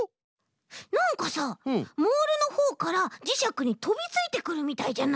なんかさモールのほうからじしゃくにとびついてくるみたいじゃない？